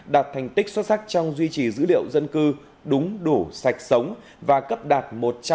đạt thành tích xuất sắc trong duy trì dữ liệu dân cư đúng đủ sạch sống và cấp đạt một trăm linh